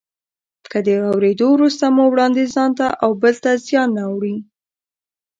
که د اورېدو وروسته مو وړانديز ځانته او بل ته زیان نه اړوي.